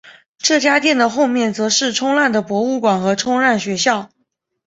这家店的后面则是冲浪的博物馆和冲浪学校。